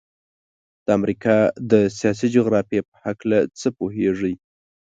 د امریکا د سیاسي جغرافیې په هلکه څه پوهیږئ؟